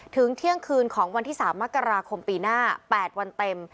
เที่ยงคืนของวันที่๓มกราคมปีหน้า๘วันเต็ม